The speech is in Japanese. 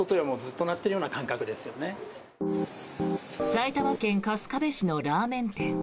埼玉県春日部市のラーメン店。